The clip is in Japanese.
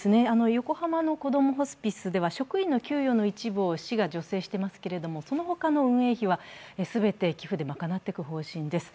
横浜のこどもホスピスでは職員の給与の一部を市が助成していますけどそのほかの運営費は全て寄付で賄っていく方針です。